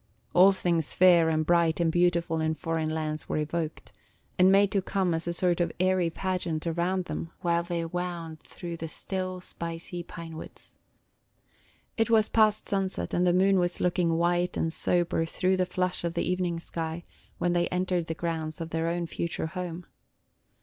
All things fair and bright and beautiful in foreign lands were evoked, and made to come as a sort of airy pageant around them while they wound through the still, spicy pine woods. It was past sunset, and the moon was looking white and sober through the flush of the evening sky, when they entered the grounds of their own future home.